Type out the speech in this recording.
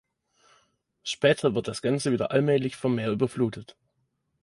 Später wird das Ganze wieder allmählich vom Meer überflutet.